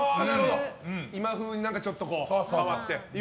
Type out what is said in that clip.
今風にちょっと変わって。